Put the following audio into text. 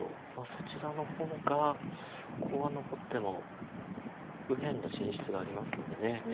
そちらの方がコウは残っても右辺の進出がありますので。